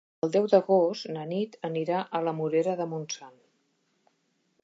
El deu d'agost na Nit anirà a la Morera de Montsant.